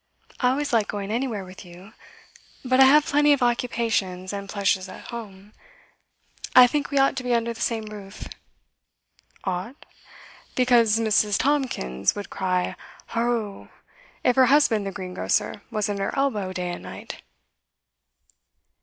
I always like going anywhere with you; but I have plenty of occupations and pleasures at home. I think we ought to be under the same roof.' 'Ought? Because Mrs. Tomkins would cry haro! if her husband the greengrocer wasn't at her elbow day and night?